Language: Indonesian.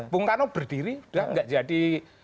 bung karno berdiri udah gak jadi